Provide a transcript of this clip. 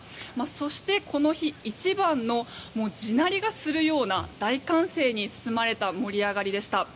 そして、この日一番の地鳴りがするような大歓声に包まれた盛り上がりでした。